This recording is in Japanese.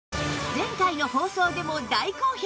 前回の放送でも大好評